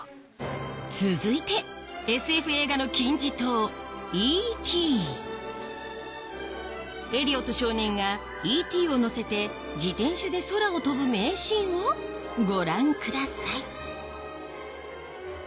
続いてＳＦ映画の金字塔エリオット少年がＥ．Ｔ．を乗せて自転車で空を飛ぶ名シーンをご覧ください